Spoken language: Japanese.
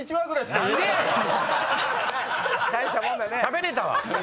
しゃべれたわ！